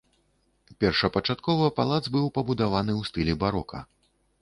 Першапачаткова палац быў пабудаваны ў стылі барока.